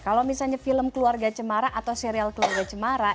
kalau misalnya film keluarga cemara atau serial keluarga cemara